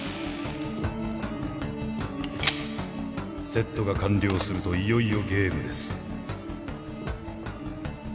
セットが完了するといよいよゲームです。